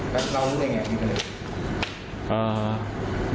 แล้วเรารู้ได้ยังไงขึ้นคนเลย